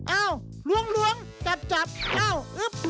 เอ้าล้วงกับเอ้าเอ๊ะ